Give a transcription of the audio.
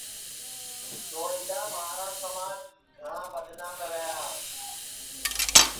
تو اِدؔا مہارا سماج گھٹؔا بدنام رہیا